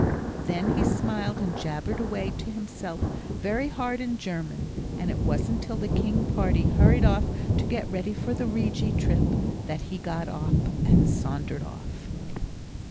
Then he smiled and jabbered away to himself very hard in German; and it wasn't till the King party hurried off to get ready for the Rigi trip, that he got up and sauntered off.